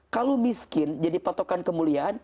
kalau miskin jadi patokan kemuliaan